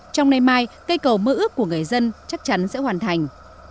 trong đêm mai cây cầu mơ ước của người dân chắc chắn sẽ hoàn thành